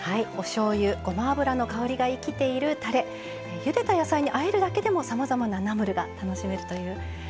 おしょうゆごま油の香りが生きているたれゆでた野菜にあえるだけでもさまざまなナムルが楽しめるという。